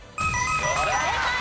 正解！